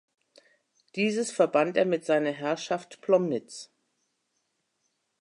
Dieses verband er mit seiner Herrschaft Plomnitz.